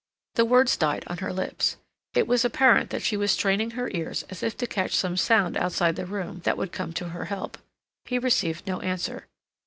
The words died on her lips. It was apparent that she was straining her ears as if to catch some sound outside the room that would come to her help. He received no answer.